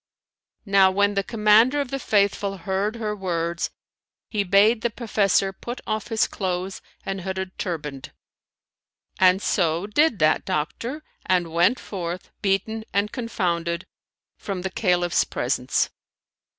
Now when the Commander of the Faithful heard her words, he bade the professor put off his clothes and hooded turband; and so did that doctor and went forth, beaten and confounded, from the Caliph's presence.